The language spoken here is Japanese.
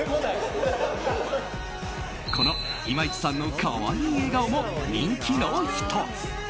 この今市さんの可愛い笑顔も人気の１つ。